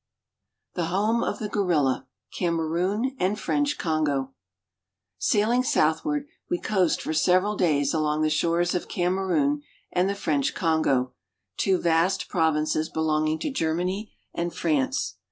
THE HOME OF THE GORILLA— KAME RUN AND FRENCH KONGO SAILING southward, we coast for several days along the shores of Kamerun and the French Kongo, two vast provinces belonging to Germany and France.